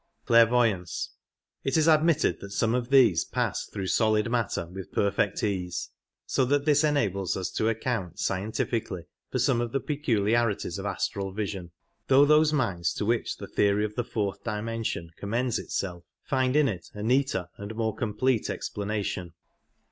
It is admitted that some of these pass through solid matter with perfect ease, so that this enables us to account scien tifically for some of the peculiarities of astral vision, though those minds to which the theory of the fourth dimension commends itself find in it a neater and more complete ex planation.